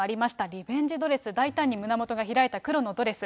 リベンジドレス、大胆に胸もとが開いた黒のドレス。